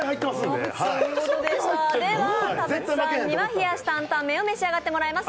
では田渕さんには冷やし坦々麺を召し上がっていただきます。